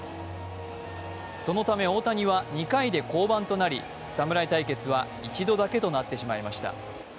そのため大谷は２回で降板となり侍対決は１度だけとなってしまいました。